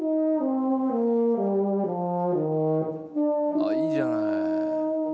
「ああいいじゃない」